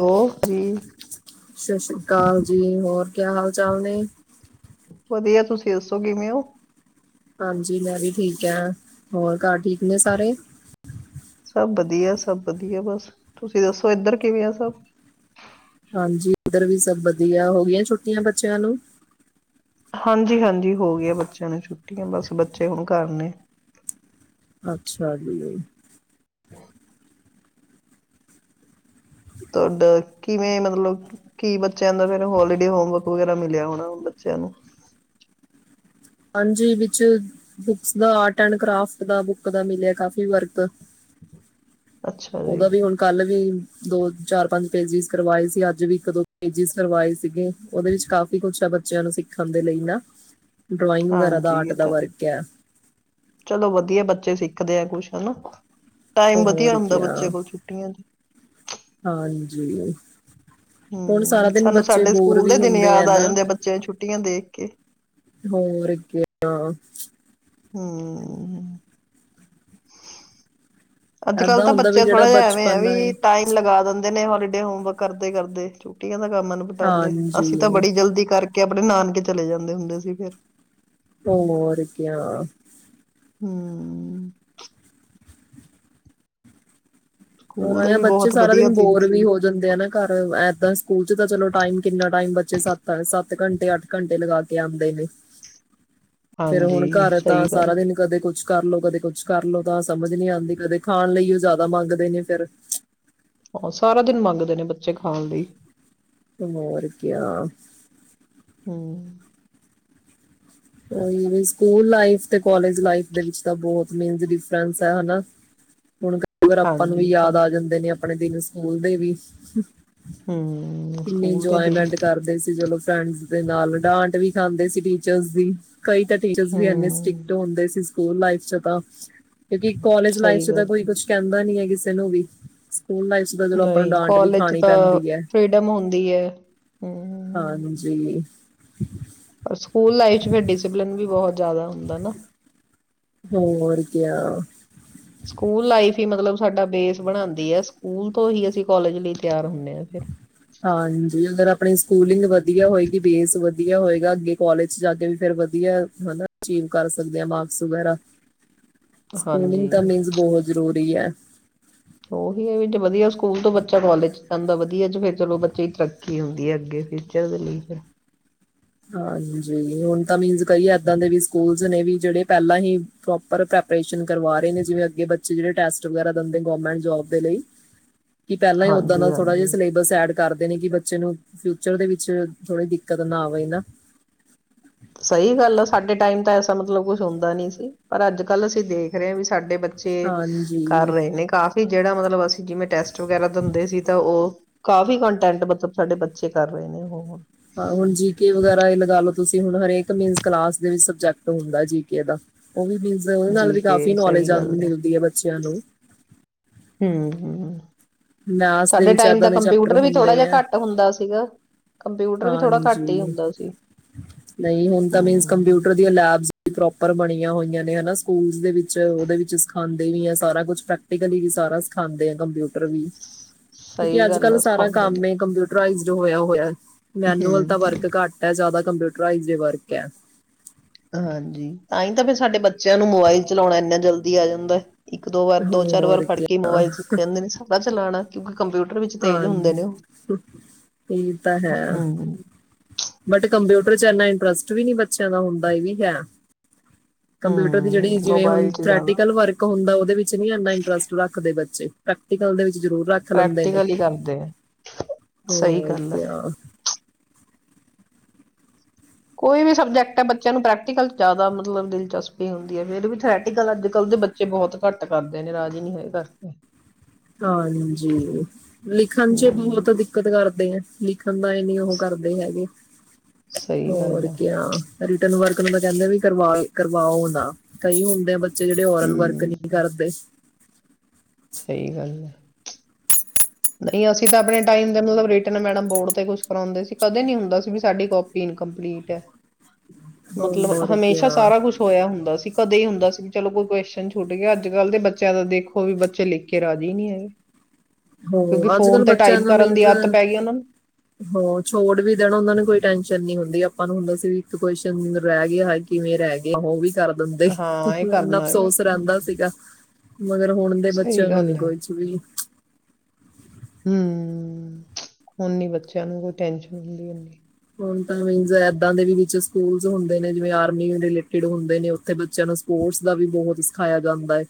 ਹੋ ਜੀ ਸਤਿ ਸ਼ੀ੍ ਅਕਾਲ। ਜੀ ਹੋਰ ਕਿਆ ਹਾਲ ਚਾਲ ਨੇ। ਵਧੀਆ ਤੁਸੀਂ ਦੱਸੋ ਕਿਵੇਂ ਹੋ। ਹਾਂਜੀ ਮੈਂ ਵੀ ਠੀਕ ਆ, ਹੋਰ ਘਰ ਠੀਕ ਨੇ ਸਾਰੇ। ਸਭ ਵਧੀਆ ਸਭ ਵਧੀਆ ਬਸ ਤੁਸੀਂ ਦੱਸੋ ਇੱਧਰ ਕਿਵੇਂ ਆ ਸਭ, ਹਾਂਜੀ ਇੱਧਰ ਵੀ ਸਭ ਵਧੀਆ ਹੋ ਗੲੀਆ ਛੁੱਟੀਆਂ ਬੱਚਿਆਂ ਨੂੰ, ਹਾਂਜੀ-ਹਾਂਜੀ, ਹੋ ਗਿਆ ਬੱਚਿਆਂ ਨੂੰ ਛੁੱਟੀਆਂ ਬਸ ਬੱਚੇ ਹੁਣ ਘਰ ਨੇ। ਅੱਛਾ ਤੁਹਾਡਾ ਕਿਵੇਂ ਮਤਲਬ ਕੀ ਬੱਚਿਆਂ ਦਾ ਫਿਰ ਹੋਲੀਡੇ ਹੋਮਵਰਕ ਵਗੈਰਾ ਮਿਲਿਆ ਹੋਣਾ ਬੱਚਿਆਂ ਨੂੰ, ਹਾਂਜੀ ਵਿੱਚ ਬੁੱਕਸ ਦਾ ਆਰਟ ਐਂਡ ਕਰਾਫਟ ਦਾ ਬੁੱਕ ਦਾ ਮਿਲਿਆ ਕਾਫ਼ੀ ਵਰਕ, ਅੱਛਾ ਜੀ ਉਹਦਾ ਵੀ ਹੁਣ ਕੱਲ ਵੀ ਦੋ ਚਾਰ ਪੰਜ ਪੇਜਿਸ ਕਰਵਾਏ ਸੀ ਅੱਜ ਵੀ ਇੱਕ ਦੋ ਪੇਜਿਸ ਕਰਵਾਏ ਸੀਗੇ ਉਹਦੇ ਵਿੱਚ ਕਾਫੀ ਕੁਛ ਆ ਬੱਚਿਆਂ ਨੂੰ ਸਿੱਖਣ ਦੇ ਲਈ ਨਾ। ਡਰਾਇੰਗ ਵਗੈਰਾ ਦਾ ਹਾਂਜੀ ਆਰਟ ਇਹ ਦਾ ਤਾਂ, ਵਰਕ ਆ ਚਲੋ ਵਧੀਆ ਬੱਚੇ ਸਿੱਖੇ ਸਿੱਖ ਦੇ ਆ ਕੁਛ ਹਨਾ। ਟਾਈਮ ਵਧੀਆ ਹੋਰ ਹੁੰਦੈ ਕਿਆ ਬੱਚੇ ਕੋਲ ਛੁੱਟੀਆਂ ਚ ਜੀ। ਹੂੰ। ਸਾਨੂੰ ਸਾਡੇ ਸਕੂਲ ਦੇ ਵੀ ਦਿਨ ਹੁੰਦੇ ਯਾਦ ਆ ਨਾ ਜਾਂਦੇ ਆ ਬੱਚਿਆਂ ਨੂੰ ਛੁੱਟੀਆਂ ਦੇਖ ਕੇ। ਹੋਰ ਕਯਾ। ਹੂੰ। [unintelligible] ਅੱਜ-ਕੱਲ੍ਹ ਏਦਾਂ ਤਾਂ ਹੁੰਦਾ ਵੀ ਬੱਚੇ ਜਿਹੜਾ ਥੋੜਾ ਜਿਆ ਐਵੇਂ ਐਂ ਬਚਪਨ ਵੀ ਹੈ ਟਾਈਮ ਲਗਾ ਦਿੰਦੇ ਨੇ ਹੋਲੀ ਦੇ ਹੋਮਵਰਕ ਕਰਦੇ-ਕਰਦੇ ਛੱਟੀਆਂ ਦਾ [unintelligible] ਬਿਤਾਂਦੇ ਅਸੀ ਤਾਂ ਹਾਂਜੀ ਬੜੀ ਜਲਦੀ ਕਰ ਕੇ ਅਪਣੇ ਨਾਨਕੇ ਚਲੇ ਜਾਂਦੇ ਹੁੰਦੇ ਸੀ ਫਿਰ। ਤੇ ਹੋਰ ਕਯਾ। ਹੂੰ। ਹੋਰ ਸਕੂਲ ਦੇ ਇਯਾ ਵੀ ਬੱਚੇ ਬਹੁਤ ਸਾਰਾ ਵਧੀਆ ਦਿਨ ਬੋਰ ਵੀ ਸੀ ਹੋ ਜਾਂਦੇ ਆ ਨਾ ਘਰ। ਇਦਾਂ ਸਕੂਲ ਚ ਤਾਂ ਚਲੋ ਟਾਈਮ ਕਿੰਨਾ ਟਾਈਮ ਬੱਚੇ ਸੱਤ, ਸੱਤ ਸੱਤ ਘੰਟੇ-ਅੱਠ ਘੰਟੇ ਲਗਾ ਕੇ ਆਂਦੇ ਨੇ। ਫੇਰ ਹੁਣ ਹਾਂਜੀ ਘਰ ਸਹੀ ਤਾਂ ਗੱਲ ਸਾਰਾ ਦਿਨ ਕਦੇ ਕੁਛ ਕਰਲੋ, ਕਦੇ ਕੁਛ ਕਰਲੋ ਤਾਂ ਸਮਝ ਨੀ ਆਂਦੀ। ਕਦੇ ਖਾਣ ਲਈ ਔ ਜਾਦਾ ਮੰਗਦੇ ਨੇ ਫੇਰ ਆਹੋ ਸਾਰਾ ਦਿਨ ਮੰਨਦੇ ਨੇ ਬੱਚੇ ਖਾਣ ਲਈ। ਤੇਨੂੰ ਹੋਰ ਕਿਆ ਹਮ ਔ ਵੀ ਵੀ ਸਕੂਲ ਲਾਈਫ ਤੇ ਕਾਲਜ ਲਾਈਫ ਦੇ ਵਿੱਚ ਤਾਂ ਬੋਤ ਮੀਨਸ ਡਿਫਰੈਂਸ ਐ, ਹੈਨਾ। ਹੁਣ ਅਗਰ ਆਪਾਂ ਨੂੰ ਵੀ ਹਾਂਜੀ ਤਾਂ ਯਾਦ ਆ ਜਾਂਦੇ ਨੇ ਅਪਣੇ ਦਿਨ ਔ ਸਮੂਲ ਦੇ ਵੀ ਹਮ ਕਿੰਨੀ ਸਕੂਲ ਦੇ ਦਿਨ ਇੰਜੋਏਮੈਂਟ ਕਰਦੇ ਸੀ ਜਲੋ ਫਰੈਂਡਸ ਦੇ ਨਾਲ ਡਾਂਟ ਵੀ ਖਾਂਦੇ ਸੀ ਟੀਚਰਸ ਦੀ ਕਈ ਤਾਂ ਟੀਚਰਸ ਵੀ ਇੰਨੇ ਹਮ ਸਟ੍ਰਿਕਟ ਹੁੰਦੇ ਸੀ ਸਕੂਲ ਲਾਈਫ ਚ ਤਾਂ ਕਿਉਂਕਿ ਕੋਲੇਜ ਲਾਈਫ ਸਹੀ ਚ ਤਾਂ ਗੱਲ ਕੋਈ ਕੁੱਛ ਕੈਂਦਾ ਨੀ ਐ ਕਿ ਸੇ ਨੂੰ ਵੀ। ਸਕੂਲ ਲਾਈਫ ਚ ਤਾਂ ਜਦੋਂ ਆਪਾਂ ਨੂੰ ਨਹੀਂ ਡਾਂਟ ਵੀ ਕਾਲਜ ਖਾਣੀ ਤਾਂ ਪੈਂਦੀ ਐ। ਫ੍ਰੀਡਮ ਹੁੰਦੀ ਹੈ ਹਾਂਜੀ। ਪਰ ਸਕੂਲ ਲਾਈਫ ਚ ਫਿਰ ਡਿਸਪਲਿਨ ਵੀ ਬੋਹੋਤ ਜ਼ਿਆਦਾ ਹੁੰਦਾ ਨਾ। ਹੋਰ ਕਿਆ। ਸਕੂਲ ਲਾਈਫ ਈ ਮਤਲਬ ਸਾਡਾ ਬੇਸ ਬਣਾਦੀ ਐ। ਸਕੂਲ ਤੋਂ ਹੀ ਅਸੀਂ ਕੋਲਜ ਲਈ ਤਿਆਰ ਹੁੰਨੇ ਆਂ ਫਿਰ ਹਾਂਜੀ ਅਗਰ ਅਪਣੀ ਸਕੂਲਿੰਗ ਵਧੀਆ ਹੋਏਗੀ, ਬੇਸ ਵਧੀਆ ਹੋਏਗਾ, ਅੱਗੇ ਕੋਲੇਜ ਚ ਜਾ ਕੇ ਵੀ ਫਿਰ ਵਧੀਆ ਹੈਨਾ ਅਚੀਵ ਕਰ ਸਕਦੇ ਆਂ ਮਾਰਕਸ ਵਗੈਰਾ। ਸਕੂਲਿੰਗ ਤਾਂ ਹਾਂਜੀ ਮੀਨਸ ਬੋਹੋਤ ਜ਼ਰੂਰ ਦੀ ਐ। ਔ ਹੀ ਐ ਏਡੇ ਵਧੀਆ ਸਕੂਲ ਤੋਂ ਬੱਚਾ ਕੋਲੇਜ ਚ ਪੈਂਦਾ ਵਧੀਆ ਚ ਫਿਰ ਚਲੋ ਬੱਚੇ ਦੀ ਤਰੱਕੀ ਹੁੰਦੀ ਐ ਅੱਗੇ ਫਿਊਚਰ ਦੇ ਲਈ ਫਿਰ। ਹਾਂਜੀ, ਹੁਣ ਤਾਂ ਮੀਨਸ ਕਈ ਐਦਾਂ ਦੇ ਵੀ ਸਕੂਲਸ ਨੇ ਵੀ ਜੇੜੇ ਪੈਲਾਂ ਹੀ ਪ੍ਰੋਪਰ ਪ੍ਰੈਪਰੇਸ਼ਨ ਕਰਵਾ ਰਏ ਨੇ ਜਿਵੇਂ ਅੱਗੇ ਬੱਚੇ ਜਿੜੇ ਟੈਸਟ ਵਗੈਰਾ ਦੰਦੇ ਨੇ ਗੋਰਮੈਂਟ ਜੋਬ ਦੇ ਲਈ ਕਿ ਪਹਿਲਾਂ ਓਦਾਂ ਹਾਂਜੀ ਨਾਲ ਥੋੜ੍ਹਾ ਜਿ ਹਾਂਜੀ ਸਿਲੇਬਸ ਐਡ ਕਰਦੇ ਨੇ ਕਿ ਬੱਚੇ ਨੂੰ ਫਿਊਚਰ ਦੇ ਵਿੱਚ ਥੋੜ੍ਹੀ ਦਿੱਕਤ ਨਾ ਆਵੇ ਹੋਈ ਨਾ ਸਹੀ ਗੱਲ ਆ ਸਾਡੇ ਟਾਈਮ ਤਾਂ ਐਸਾ ਮਤਲਬ ਕੁਛ ਹੁੰਦਾ ਨ ਸੀ ਪਰ ਅੱਜ ਕੱਲ੍ਹ ਅਸੀਂ ਦੇਖ ਰਹੇ ਹਾਂ ਵੀ ਸਾਡੇ ਬੱਚੇ ਬੱਚੇ ਕਰ ਹਾਂਜੀ ਰਹੇ ਨੇ ਕਾਫੀ ਜਿਹੜਾ ਮਤਲਬ ਅਸੀਂ ਜਿਵੇਂ ਟੈਸਟ ਵਗੈਰਾ ਦਿੰਦੇ ਸੀ ਤਾਂ ਉਹ ਕਾਫੀ ਕੰਟੈਂਟ ਮਤਲਬ ਸਾਡੇ ਬੱਚੇ ਕਰ ਰਹੇ ਨੇ ਉਹ ਹਣ ਹਾਂ ਹੁਣ ਜੀ ਕੇ ਵਗੈਰਾ ਇਹ ਲਗਾ ਲੋੋ ਤੁਸੀਂ ਹੁਣ ਹਰੇਕ ਮੀਨ ਕਲਾਸ ਦੇ ਵਿੱਚ ਸਬਜੈਕਟ ਹੁੰਦਾ ਜੀ ਕੇ ਦਾ ਉਹ ਵੀ ਮਿਲ ਉਹਦੇ ਨਾਲ ਜੀ ਵੀ ਕਾਫ਼ੀ ਕੇ ਨੌਲੇਜ ਸਹੀ ਆ ਗੱਲ ਮਿਲਦੀ ਹੈ ਬੱਚਿਆਂ ਨੂੰ ਹਮ ਹਮ ਮੈਥ ਦੇ ਸਾਡੇ ਵਿਚ ਟਾਈਮ ਦਾ ਇਹਦਾਂ ਦੇ ਚੈਪਟਰ ਕੰਪਿਊਟਰ ਵੀ ਥੋੜਾ ਹੁੰਦੇ ਜਿਹਾ ਆ ਘੱਟ ਹੁੰਦਾ ਸੀਗਾ। ਕੰਪਿਊਟਰ ਵੀ ਥੋੜਾ ਹਾਂਜੀ ਘੱਟ ਹੀ ਹੁੰਦਾ ਸੀ ਨਹੀਂ ਹੁਣ ਤਾਂ ਮੀਨ ਹੂੰ। ਕੰਪਿਊਟਰ ਦੀ ਲੈਬਸ ਪ੍ਰੋਪਰ ਬਣੀਆਂ ਹੋਈਆਂ ਨੇ ਹਨਾ ਸਕੂਲ ਦੇ ਵਿੱਚ ਉਹਦੇ ਵਿੱਚ ਸਿਖਾਂਦੇ ਵੀ ਹੈ ਸਾਰਾ ਕੁਛ ਪ੍ਰੈਕਟੀਕਲੀ ਵੀ ਸਾਰਾ ਸਿਖਾਉਦੇ ਆ ਕੰਪਿਊਟਰ [unintelligible] ਕਿਉਕਿ ਸਹੀ ਅੱਜ ਗੱਲ ਕੱਲ ਆ ਸਾਰਾ ਸਿਖਾਉਂਦੇ ਕੰਮ ਨੇ ਕੰਪਿਊਟਈਜਡ ਹੋਇਆ ਹੋਇਆ ਮੈਨੂਅਲ ਤਾਂ ਹੂੰ। ਵਰਕ ਘੱਟ ਹੈ ਜ਼ਿਆਦਾ ਕੰਪਿਊਟਰਾਈਸ ਵਰਕ ਐ। ਹਾਂਜੀ, ਤਾਂ ਹੀ ਤਾਂ ਫਿਰ ਸਾਡੇ ਬੱਚਿਆਂ ਨੂੰ ਮੋਬਾਇਲ ਚਲਾਉਣਾ ਇੰਨਾ ਜਲਦੀ ਆ ਜਾਂਦਾ। ਇੱਕ ਦੋ ਵਾਰ, ਦੋ ਚਾਰ ਵਾਰ ਹੋਰ ਫੜ ਕਿਆ ਕੇ ਮੋਬਾਇਲ ਸਿੱਖ ਜਾਂਦੇ ਨੇ ਸਾਰਾ ਚਲਾਣਾ। [unintelligible] ਕੰਪਿਊਟਰ ਵਿੱਚ ਤੇਜ ਹਾਂ ਹੁੰਦੇ ਨੇ ਉਹ, ਇਹ ਤਾਂ ਹੈ ਹੂੰ। ਬਟ ਕੰਪਿਊਟਰ ਚ ਇੰਨਾ ਇੰਟਰਸਟ ਵੀ ਨਹੀਂ ਬੱਚਿਆਂ ਦਾ ਹੁੰਦਾ, ਇਹ ਵੀ ਹੈ। ਕੰਪਿਊਟਰ ਦੀ ਹੂੰ ਜਿਹੜੀ, ਜਿਵੇਂ ਮੋਬਾਇਲ ਹੁਣ ਚ ਜ਼ਿਆਦਾ ਪ੍ਰੈਕਟਿਕਲ ਵਰਕ ਹੁੰਦਾ। ਵਿੱਚ ਨਹੀਂ ਇੰਨਾ ਇੰਟਰਸਟ ਰੱਖਦੇ ਬੱਚੇ ਪ੍ਰੈਕਟੀਕਲ ਦੇ ਵਿੱਚ ਜ਼ਰੂਰ ਰੱਖ ਲੈਂਦੇ ਨੇ ਪ੍ਰੈਕਟੀਕਲ ਹੀ ਕਰਦੇ ਆ ਸਹੀ ਹੋਰ ਗੱਲ ਆ। ਕਿਆ ਕੋਈ ਵੀ ਸਬਜੈਕਟ ਹੈ ਬੱਚਿਆਂ ਨੂੰ ਪ੍ਰੈਕਟੀਕਲ ਜ਼ਿਆਦਾ ਮਤਲਬ ਦਿਲਚਸਪੀ ਹੁੰਦੀ ਹੈ, ਫਿਰ ਵੀ ਥਰੈਟੀਕਲ ਅੱਜ ਕੱਲ੍ਹ ਦੇ ਬੱਚੇ ਬਹੁਤ ਘੱਟ ਕਰਦੇ ਨੇ ਰਾਜ਼ੀ ਨਹੀਂ ਹੈ ਕਰਕੇ। ਹਾਂਜੀ, ਲਿਖਣ ਚ ਹਮ ਬਹੁਤ ਦਿੱਕਤ ਕਰਦੇ। ਤੇ ਲਿਖਣ ਦਾ ਇਹ ਨੀ ਉਹ ਕਰਦੇ ਹੈਗੇ। ਸਹੀ ਗੱਲ ਹੋਰ ਹੈ ਕਿਆ ਹੋਮ ਵਰਕ ਨੂੰ ਤਾਂ ਕਹਿੰਦੇ ਵੀ ਕਰਵਾ ਕਰਵਾਉ ਨਾ, ਕਈ ਹੁੰਦੇ ਆ ਬੱਚੇ ਤੇ ਜਿਹੜੇ ਓਰਲ ਵਰਕ ਨਹੀਂ ਹਮ ਕਰਦੇ। ਸਹੀ ਗੱਲ ਹੈ। ਇਹ ਅਸੀਂ ਤਾਂ ਆਪਣੇ ਟਾਈਮ ਦੇ ਮਤਲਬ ਰਿਟਨ ਮੈਡਮ ਬੋਰਡ ਤੇ ਕੁਛ ਕਰਾਉਂਦੇ ਸੀ, ਕਦੇ ਨੀ ਹੁੰਦਾ ਸੀ ਵੀ ਸਾਡੀ ਕਾਪੀ ਇਨਕਪਲੀਟ ਹੈ। ਮਤਲਬ ਹੋਰ ਹਮੇਸ਼ਾ ਕਿਆ ਸਾਰਾ ਕੁਛ ਹੋਇਆ ਹੁੰਦਾ ਸੀ ਕਦੇ ਦਸ ਚਲੋ ਕੋਈ ਕੁਸ਼ਚਨ ਛੁੱਟ ਗਿਆ, ਅੱਜ ਕੱਲ੍ਹ ਦੇ ਬੱਚਿਆਂ ਦਾ ਦੇਖੋ ਵੀ ਬੱਚੇ ਲਿਖ ਕੇ ਰਾਜੀ ਨਹੀਂ ਆ। ਹੋਰ ਅੱਜ ਕੱਲ ਬੱਚਿਆਂ ਨੂੰ ਮੀਨਜ਼ ਆਦਤ ਪੈ ਗਈ ਉਹਨਾਂ ਨੂੰ ਹੋਰ ਛੋੜ ਵੀ ਦੇਣ ਉਹਨਾਂ ਨੂੰ ਕੋਈ ਟੈਸ਼ਨ ਨੀ ਹੁੰਦੀ ਆਪਾਂ ਨੂੰ ਹੁੰਦਾ ਸੀ ਇੱਕ ਕੋਸਚਨ ਰਹਿ ਗਿਆ ਕਿਵੇਂ, ਰਹਿ ਗਿਆ ਉਹ ਵੀ ਕਰ ਦਿੰਦੇ ਹਾਂ ਇਹ ਇੰਨਾ ਕਰਨਾ ਅਫਸੋਸ ਹੈ ਰਹਿੰਦਾ ਸੀਗਾ। ਮਗਰ ਹੁਣ ਦੇ ਸਹੀ ਬੱਚਿਆਂ ਨੂੰ ਨੀ ਗੱਲ ਹੈ ਕੋਈ ਕੁਛ ਵੀ। ਹੂੰ, ਹੁਣ ਬੱਚਿਆਂ ਨੂੰ ਕੋਈ ਟੈਨਸ਼ਨ ਹੁੰਦੀ ਏਨੀ। ਹੁਣ ਤੇ ਮੀਨਸ ਏਦਾਂ ਦੇ ਸਕੂਲ ਹੁੰਦੇ ਨੇ, ਜਿਵੇ ਆਰਮੀ ਰੀਲੇਟਡ ਹੁੰਦੇ ਨੇ ਉਥੇ ਬੱਚਿਆਂ ਨੂੰ ਸਪੋਰਟਸ ਦਾ ਵੀ ਬਹੁਤ ਸਿਖਾਇਆ ਜਾਂਦਾ ਹੈ।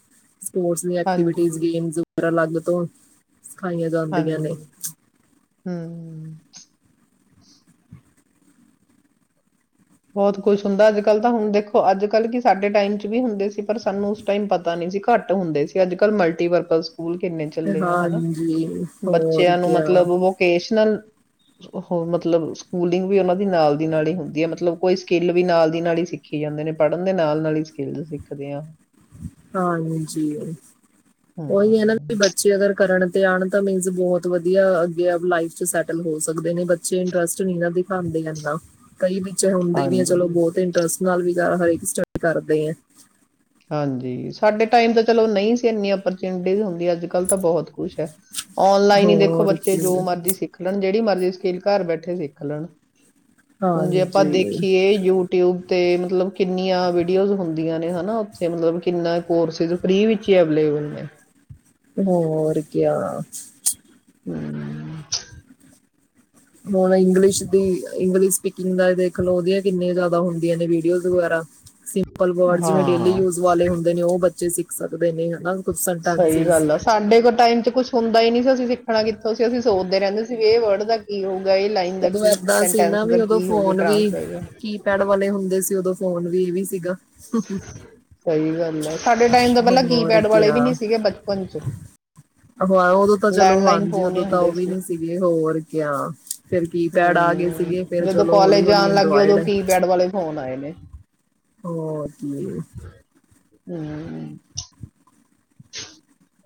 ਸਪੋਰਟਸ ਦੀ ਹਾਂਜੀ ਐਕਟੀਵਿਟੀਜ਼, ਗੇਮਸ ਅਲੱਗ ਤੋਂ ਸਿਖਾਈਆਂ ਜਾਂਦੀਆਂ ਹਾਂਜੀ, ਨੇ ਹੂੰ। ਬਹੁਤ ਕੁੱਛ ਹੁੰਦਾ ਅੱਜ-ਕੱਲ੍ਹ ਤਾਂ। ਹੁਣ ਦੇਖੋ ਅੱਜ-ਕੱਲ੍ਹ ਕੀ ਸਾਡੇ ਟਾਈਮ ਚ ਵੀ ਹੁੰਦੇ ਸੀ ਪਰ ਸਾਨੂੰ ਉਸ ਟਾਈਮ ਪਤਾ ਨੀ ਸੀ ਘੱਟ ਹੁੰਦੇ ਸੀ, ਅੱਜ ਕੱਲ੍ਹ ਮਲਟੀਪਰਪਜ਼ ਸਕੂਲ ਕਿੰਨੇ ਚੱਲੇ ਆ, ਹਨਾ ਹਾਂਜੀ ਹੋਰ ਬੱਚਿਆਂ ਨੂੰ ਕਿਆ ਮਤਲਬ, ਵੋਕੇਸ਼ਨਲ ਉਹ ਮਤਲਬ, ਸਕੂਲਿੰਗ ਵੀ ਉਹਨਾ ਦੀ ਨਾਲ ਦੀ ਨਾਲ ਹੀ ਹੁੰਦੀ ਹੈ, ਮਤਲਬ। ਕੋਈ ਸਕਿੱਲ ਵੀ ਨਾਲ ਦੀ ਨਾਲ ਹੀ ਸਿੱਖੀ ਜਾਂਦੇ ਨੇ ਪੜ੍ਹਨ ਦੇ ਨਾਲ-ਨਾਲ ਹੀ ਸਕਿੱਲ ਸਿੱਖਦੇ ਆ। ਹਾਂਜੀ। ਹੂੰ ਉਹੀ ਹੈ ਨਾ, ਵੀ ਬੱਚੇ ਅਗਰ ਕਰਨ ਤੇ ਆਣ ਤਾਂ ਮੀਨਜ ਬਹੁਤ ਵਧੀਆ ਅੱਗੇ ਆਲੀ ਲਾਈਫ ਚ ਸੈਟਲ ਹੋ ਸਕਦੇ ਨੇ ਬੱਚੇ ਇੰਟਰਸਟ ਨੀ ਨਾ ਦਿਖਾਦੇ ਇਨਾ। ਕਈ ਵਿੱਚ ਹੁੰਦੇ ਵੀ ਹੈ ਚਲੋ, ਹਾਂਜੀ ਬਹੁਤ ਇੰਟਰਸਟ ਨਾਲ ਵਿਚਾਰਾ ਹਰੇਕ ਸਟੱਡੀ ਕਰਦੇ ਆ। ਹਾਂਜੀ, ਸਾਡੇ ਟਾਈਮ ਤਾਂ ਚਲੋ ਨਹੀਂ ਸੀ, ਇੰਨੀ ਔਪਰਚੁਨਿਟੀ ਹੁੰਦੀ, ਅੱਜ-ਕੱਲ੍ਹ ਤਾਂ ਬਹੁਤ ਕੁਛ ਹੈ, ਔਨਲਾਈਨ ਹੀ ਦੇਖੋ ਹੋਰ ਬੱਚੇ ਜੋ ਕੀ ਮਰਜ਼ੀ ਸਿੱਖ ਲੈਣ। ਜਿਹੜੀ ਮਰਜ਼ੀ ਸਕਿਲ ਘਰ ਬੈਠੇ ਸਿੱਖ ਲੈਣ। ਹੁਣ ਜੇ ਆਪਾਂ ਹਾਂਜੀ ਦੇਖੀਏ, ਯੂਟਿਊਬ ਤੇ ਮਤਲਬ ਕਿੰਨੀਆਂ ਵੀਡੀਓਜ਼ ਹੁੰਦੀਆਂ ਨੇ ਹਨਾ। ਤੇ ਮਤਲਬ ਕਿੰਨੇ ਕੋਰਸਿਸ ਫ੍ਰਰੀ ਵਿੱਚ ਹੀ ਅਵੇਲੇਬਲ ਨੇ। ਹੋਰ ਕਿਆ। ਹੂੰ, ਹੁਣ ਇੰਗਲਿਸ਼ ਦੀ, ਇੰਗਲਿਸ਼ ਸਪੀਕਿੰਗ ਦਾ ਏ ਦੇਖ ਲੋ, ਉਹਦੀਆਂ ਕਿੰਨੀਆਂ ਜ਼ਿਆਦਾ ਹੁੰਦੀਆਂ ਨੇ ਵੀਡੀਓਜ਼ ਵਗੈਰਾ ਸਿ ਸਿੰਪਲ ਵਰਡਜ, ਜਿਵੇਂ ਡੇਲੀ ਹਾਂ ਯੂਜ ਵਾਲੇ ਹੁੰਦੇ ਨੇ ਉਹ ਬ ਬੱਚੇ ਸਿੱਖ ਸਕਦੇ ਨੇ, ਹਨਾ। ਕੁਝ ਸਹੀ ਸੈਂਟੈਂਸਸ ਗੱਲ ਆ ਸਾਡੇ ਕ ਟਾਈਮ ਚ, ਕੁੱਛ ਹੁੰਦਾ ਹੀ ਨਹੀਂ ਸੀ, ਅਸੀਂ ਸਿੱਖਣਾ ਕਿੱਥੋਂ ਸੀ, ਅਸੀਂ ਸੋਚਦੇ ਰਹਿੰਦੇ ਸੀ ਵੀ ਇਹ ਵਰਡ ਦਾ ਕੀ ਹੋਊ। ਉਦੋਂ ਏਦਾਂ ਸੀ ਨਾ, ਵੀ ਉਦੋਂ ਹੋਊਗੀ ਫੋਨ ਵੀ ਟਰਾਂਸਲੇਸ਼ਨ ਕੀਪੈਡ ਵਾਲੇ ਹੁੰਦੇ ਸੀ, ਉਦੋਂ। ਫੋਨ ਵੀ ਇਹ ਵੀ ਸੀਗਾ। ਸਹੀ ਗੱਲ ਹੈ ਸਾਡੇ ਟਾਈਮ ਦਾ ਪਹਿਲਾਂ ਹੋਰ ਕੀਪੈਡ ਵਾਲੇ ਕਿਆ, ਵੀ ਨਹੀਂ ਸੀਗੇ ਬਚਪਨ ਚ ਉਦੋਂ ਤਾਂ ਚਲੋ, ਲੈਂਡਲਾਈਨ ਹਾਂਜੀ, ਫੋਨ ਹੀ ਉਦੋਂ ਤਾਂ ਹੁੰਦੇ ਉਹ ਵੀ ਨੀ ਸੀਗੇ, ਹੋਰ ਕਿਆ। ਹੂੰ, ਜਦੋਂ ਹੌਲੀ ਕਾਲਜ ਹੌਲੀ ਜਾਣ ਲੱਗਗੇ। ਉਦੋਂ ਐਂਡਰੋਇਡ ਕੀਪੈਡ ਵਾਲੇ ਫੋਨ ਆਏ ਨੇ। ਹੋਰ [inaudible] ਹੂੰ,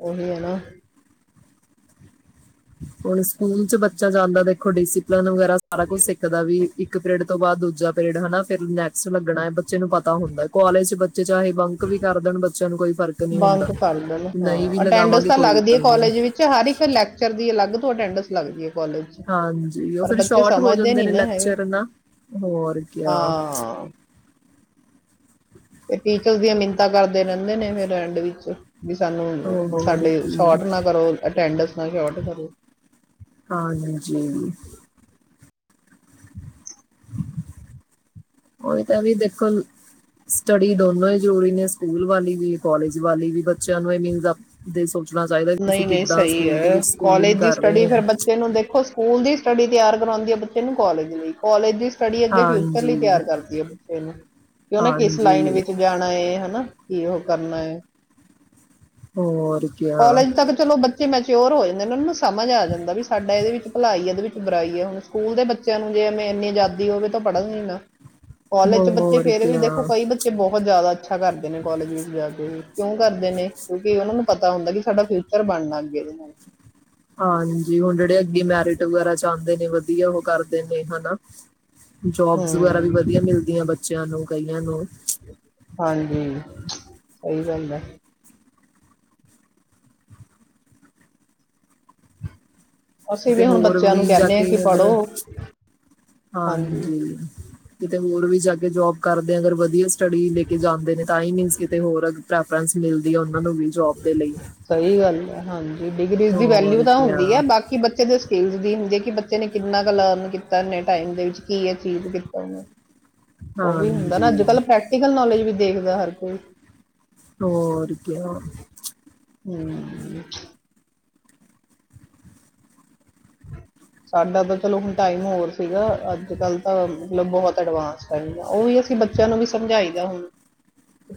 ਉਹੀ ਹੈ ਨਾ ਹੁਣ, ਸਕੂਲ ਚ ਬੱਚਾ ਜਾਂਦਾ ਦੇਖੋ ਡੀਸੀ ਲਰਣ ਵਗੈਰਾ, ਸਾਰਾ ਕੁਛ ਸਿੱਖਦਾ ਵੀ ਇੱਕ ਪੀਰਡ ਤੋਂ ਬਾਅਦ ਦੂਜਾ ਪੀਰਡ ਹਨਾ। ਫਿਰ ਨੈ ਸਟ ਲੱਗਣਾ ਹੈ। ਬੱਚੇ ਨੂੰ ਪਤਾ ਹੁੰਦਾ। ਕੋਲੇਜ ਚ ਬ ਬੱਚੇ ਚਾਹੇ ਬੰਕ ਵੀ ਕਰ ਦੇਣ, ਬੱਚਿਆਂ ਨੂੰ ਕੋਈ ਫ਼ਰਕ ਨੀ ਹੁੰਦਾ, ਬੰਕ ਕਰ ਦੇਣ ਹਾਂ ਨਹੀਂ ਵੀ ਅਟੈਂਡੈਂਸ ਲਗਾਵਾਂਗੇ, ਤਾਂ ਕੋਈ ਲੱਗਦੀ ਹੈ ਗੱਲ ਨੀ। ਕਾਲਜ ਵਿੱਚ ਹਰ ਇੱਕ ਲੈਕਚਰ ਦੀ ਅਲੱਗ ਤੋਂ ਅਟੈਂਡਸ ਲੱਗਦੀ ਹੈ। ਕਾਲਜ 'ਚ ਹਾਂਜੀ, ਉਹ ਪਰ ਫਿਰ ਬੱਚੇ ਸ਼ੋਰਟ ਹੋ ਸਮਝਦੇ ਜਾਂਦੇ ਨਹੀਂ ਨੇ ਨਾ ਹੈਗੇ ਲੈਕਚਰ ਨਾ। ਹੋਰ ਕਿਆ ਹਾਂ ਤੇ ਟੀਚਰ ਦੀਆਂ ਮਿੰਨਤਾਂ ਕਰਦੇ ਰਹਿੰਦੇ ਨੇ ਫਿਰ ਐਂਡ ਵਿੱਚ ਵੀ ਸਾਨੂੰ ਹੋਰ ਸਾਡੇ ਕੀ ਸ਼ੋਟ ਨਾ ਕਰੋ ਅਟੈਂਡਸ [inaudible] ਹਾਂਜੀ [unintelligible] ਉਹੀ ਤਾਂ ਵੀ ਦੇਖੋ ਸਟੱਡੀ ਦੋਨੋ ਹੀ ਜਰੂਰੀ ਨੇ ਸਕੂਲ ਵਾਲੀ ਵੀ ਕੋਲਜ ਵਾਲੀ ਵੀ ਬੱਚਿਆਂ ਨੂੰ ਏਨੀ ਜ਼ਿਆ, ਦੇਸੋ ਨਹੀਂ-ਨਹੀਂ ਸਹੀ ਹੈ ਸਕੂਲਿੰਗ ਕਾਲਜ ਦੀ ਕਰ ਸਟੱਡੀ ਰਹੇ ਹਾਂ ਫੇਿਰ ਬੱਚੇ ਨੂੰ ਦੇਖੋ ਸਕੂਲ ਦੀ ਸਟੱਡੀ ਤਿਆਰ ਕਰਾਉਂਦੀ ਹੈ ਬੱਚੇ ਨੂੰ ਕਾਲਜ ਲਈ ਕੋਾਲਜ ਦੀ ਸਟੱਡੀ ਅੱਗੇ ਫਿਊਚਰ ਲਈ ਹਾਂਜੀ ਤਿਆਰ ਕਰਦੀ ਹੈ ਬੱਚੇ ਨੂੰ ਕਿ ਉਹੇ ਕਿਸ ਲਾਈਨ ਹਾਂਜੀ ਵਿੱਚ ਜਾਣਾ ਏ। ਹੈ ਨਾ ਕੀ ਉਹ ਕਰਨਾ ਹੈ ਹੋਰ। ਕਿਆ ਕਾਲਜ ਤੱਕ ਚਲੋ ਬ ਤੇ ਮੈਚਿਓਰ ਹੋ ਜਾਂਦੇ ਨੇ, ਉਹਨਾਂ ਨੂੰ ਮਸ ਸਮਝ ਆ ਜਾਂਦਾ ਵੀ ਸਾਡਾ ਇਹਦੇ ਵਿੱਚ ਭਲਾਈ ਇਹਦੇ ਵਿੱਚ ਬੁਰਾਈ ਹੈ। ਹੁਣ ਸਕੂਲ ਦੇ ਬੱਚਿਆਂ ਨੂੰ ਜੇ ਐਵੇਂ ਇੰਨੀ ਆਜ਼ਾਦੀ ਹੋਵੇ ਤਾਂ ਪੜ੍ਹਨ ਹੀ ਨਾ ਕੋਲਜ ਚ ਬੱਚੇ ਹੋਰ ਫੇਰ ਵੀ ਕਿਆ ਦੇਖੋ ਕਈ ਬੱਚੇ ਬਹੁਤ ਜ਼ਿਆਦਾ ਅੱਛਾ ਕਰਦੇ ਨੇ ਕੋਲਜ ਵਿੱਚ ਜਾ ਕੇ ਵੀ ਕਿਉਂ ਕਰਦੇ ਨੇ ਕਿਉਂਕਿ ਉਹਨਾਂ ਨੂੰ ਪਤਾ ਹੁੰਦਾ ਕਿ ਸਾਡਾ ਫਿਊਚਰ ਬਨਨਾ ਅੱਗੇ ਇਹਦੇ ਨਾਲ ਹਾਂਜੀ ਹੁਣ ਜਿਹੜੇ ਅਗੇ ਮੈਰਿਟ ਵਗੈਰਾ ਚ ਆਦੇ ਨੇ ਵਧੀਆ ਉਹ ਕਰਦੇ ਨੇ ਹਨਾ? ਜੋਬਸ ਵਗੈਰਾ ਵੀ ਹੂੰ ਵਧੀਆ ਮਿਲਦੀਆਂ ਬ ਚਲੋ। ਕਈਆਂ ਨੂੰ ਹਾਂਜੀ ਸਹੀ ਗੱਲ ਹੈ। ਅਸੀਂ ਵੀ ਕਿਤੇ ਹੁਣ ਹੋਰ ਬੱਚਿਆਂ ਨੂੰ ਵੀ ਜਾ ਕਹਿੰਦੇ ਹਾਂ ਕੇ ਕਿ ਅਗਰ ਪੜ੍ਹੋ ਹਾਂਜੀ। ਕਿਤੇ ਹੋ ਹੋਰ ਵੀ ਜਾ ਕੇ ਜੋਬ ਕਰਦੇ ਆ ਅਗਰ ਵਧੀਆ ਸਟੱਡੀ ਲੈ ਕੇ ਜਾਂਦੇ ਨੇ ਤਾਂ ਹੀ ਮੀਨ ਕਿਤੇ ਹੋਰ ਫਰਾਂਸ ਮਿਲਦੀ ਹੈ ਉਨ੍ਹਾਂ ਨੂੰ ਵੀ ਜੋਬ ਦੇ ਲਈ ਸਹੀ ਗੱਲ ਹੈ ਹਾਂਜੀ ਡਿਗਰੀਜ਼ ਦੀ ਹੋਰ ਵੈਲਿਊ ਤਾਂ ਕਿਆ ਹੁੰਦੀ ਹੈ ਬਾਕੀ ਬੱਚੇ ਦੇ ਸਕਿੱਲ ਹੁੰਦੀ ਹੈ ਕਿ ਬੱਚੇ ਨੇ ਕਿੰਨਾ ਕੁ ਲਰਨ ਕੀਤਾ ਇਨੇ ਟਾਈਮ ਦੇ ਵਿੱਚ ਕੀ ਅ ਚੀਜ਼ ਕੀਤਾ ਉਹਨੇ ਉਹ ਵੀ ਹੁੰਦਾ ਨਾ ਅੱਜ ਹਾਂਜੀ, ਕੱਲ੍ਹ ਪ੍ਰੈਕਟੀਕਲ ਨੌਲੇਜ ਵੀ ਦੇਖਦਾ ਹਰ ਕੋਈ ਹੋ ਕਿ ਹਮ ਸਾਡਾ ਤਾਂ ਚਲੋ ਹੁਣ ਟਾਈਮ ਹੋਰ ਸੀਗਾ ਅੱਜ ਕੱਲ ਤਾਂ ਮਤਲਬ ਬਹੁਤ ਅਡਵਾਂਸ ਟਾਈਮ ਹੈ ਉਹ ਵੀ ਅਸੀਂ ਬੱਚਿਆਂ ਨੂੰ ਵੀ ਸਮਝਾਈ ਦਾ ਹੁਣ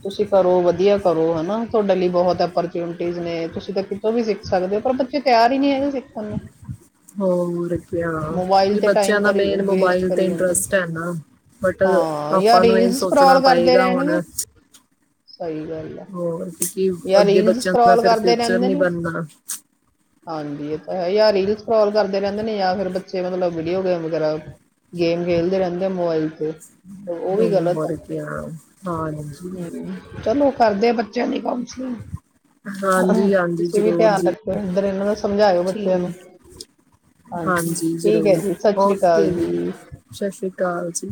ਤੁਸੀਂ ਕਰੋ ਵਧੀਆ ਕਰੋ ਹਨਾ ਤੁਹਾਡੇ ਲਈ ਬਹੁਤ ਓਰਚੁਨਿਟੀਜ਼ ਨੇ ਤੁਸੀਂ ਤਾਂ ਕਿਤੋਂ ਵੀ ਸਿੱਖ ਸਕਦੇ ਹੋ ਪਰ ਬੱਚੇ ਤਿਆਰ ਹੀ ਨਹੀਂੀ ਹੈਗੇ ਸਿੱਖਣ ਨੂੰ ਹੋਰ ਕ ਮੋਬਾਈਲ ਵੀ ਤੇ ਬੱਚਿਆਂ ਟਾਈਮ ਦਾ ਕਰੀ ਮੇਨ ਵੇਸਟ ਮੋਬਾਇਲ ਤੇ ਕਰੀ ਜਾਂਦੇ ਇੰਟਰਸਟ ਨੇ। ਹੈ ਨਾ ਬਟ ਹਾਂ ਯਾ ਆਪਾਂ ਨੂੰ ਇਹ ਰੀਲਸ ਸੋਚਣਾ ਸਕਰੋਲ ਕਰਦੇ ਪਏਗਾ ਹੁਣ ਰਹਿਣਗੇ ਹੋਰ ਕਿਉਂਕਿ ਯ ਅੱਗੇ ਰੀਲ ਬੱਚਿਆਂ ਦਾ ਸਕੋਲ ਫਿਰ ਕਰਦੇ ਫਿਊਚਰ ਰਹਿੰਦੇ ਨੀ ਨੇ ਬਣਨਾ ਹਾਂਜੀ ਇਹ ਤਾਂ ਹੈ ਯ ਰੀਲ ੋਲ ਕਰਦੇ ਰਹਿੰਦੇ ਨੇ ਜਾਂ ਫਿਰ ਬੱਚੇ ਮਤਲਬ ਵੀਡੀਓ ਗੇਮ ਵਗੈਰਾ ਗੇਮ ਖੇਲਦੇ ਰਹਿੰਦੇ ਆ ਮੋਬਾਇਲ ਤੇ ਉਹ ਦ ਵੀ ਗਲਤ ਹੈ ਮਰਕੇ ਆ ਹਾਂਜੀ ਹਮ, ਚਲੋ ਕਰਦੇ ਆ ਬੱਚਿਆਂ ਦੀ ਹ ਹਾਂ ਹਾਂਜੀ, ਹਾਂਜੀ ਤੁਸੀਂ ਵੀ ਜ਼ਰੂਰ ਧਿਆਨ ਜੀ ਰੱਖੇ ਹੋ [unintelligible] ਠੀਕ ਹਾਂਜੀ ਠੀਕ ਹੈ ਜ਼ਰੂਰ ਜੀ ਸਤਿ ਸ਼੍ਰੀ ਓਕੇ ਅਕਾਲ ਜੀ ਸਤਿ ਸ੍ਰੀ ਅਕਾਲ ਜੀ